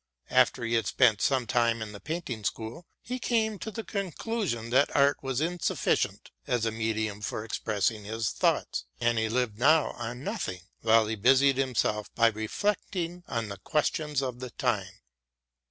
After he had spent some time in the painting school he came to the conclusion that art was insufficient as a medium for expressing his thoughts, and he lived now on nothing, while he busied himself by reflecting on the questions of the time.